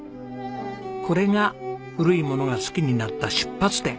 これが古い物が好きになった出発点。